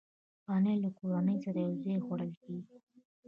پنېر له کورنۍ سره یو ځای خوړل کېږي.